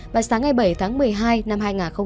bà sáng ngày bảy tháng một mươi hai năm hai nghìn hai mươi ba